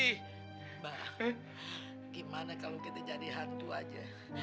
mbak gimana kalau kita jadi hantu aja